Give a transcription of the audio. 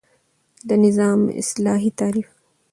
د نظام اصطلاحی تعریف